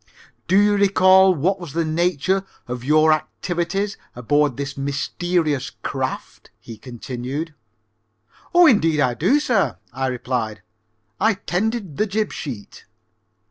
"Do you recall what was the nature of your activities aboard this mysterious craft?" he continued. "Oh, indeed I do, sir," I replied. "I tended the jib sheet."